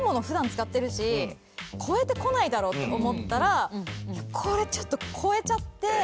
普段使ってるし超えてこないだろうって思ったらこれちょっと超えちゃって。